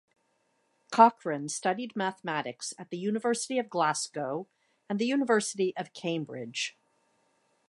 Cochran studied mathematics at the University of Glasgow and the University of Cambridge.